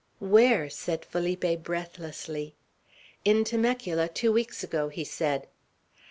"Where?" said Felipe, breathlessly. "In Temecula, two weeks ago," he said.